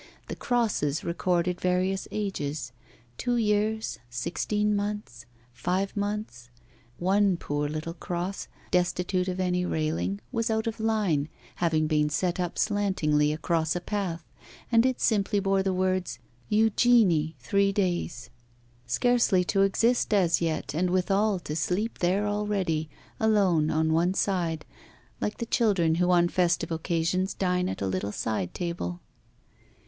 The crosses recorded various ages, two years, sixteen months, five months. One poor little cross, destitute of any railing, was out of line, having been set up slantingly across a path, and it simply bore the words: 'Eugenie, three days.' Scarcely to exist as yet, and withal to sleep there already, alone, on one side, like the children who on festive occasions dine at a little side table!